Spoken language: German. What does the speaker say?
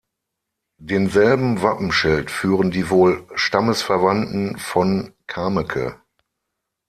Denselben Wappenschild führen die wohl stammesverwandten von Kameke.